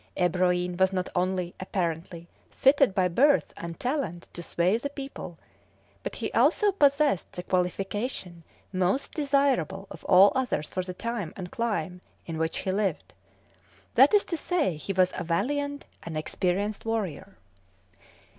Ebroin was not only, apparently, fitted by birth and talent to sway the people, but he also possessed the qualification most desirable of all others for the time and clime in which he lived; that is to say, he was a valiant and experienced warrior.